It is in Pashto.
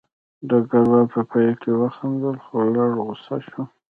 ډګروال په پیل کې وخندل خو لږ غوسه شو